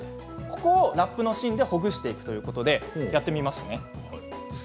ここをラップの芯でほぐしていくということで、やってみますね。